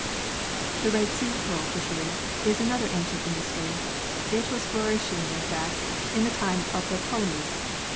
The Red Sea Pearl Fishery is another ancient industry. It was flourishing in fact in the time of the Ptolemies.